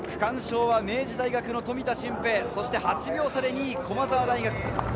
区間賞は明治大学の富田峻平、８秒差で２位・駒澤大。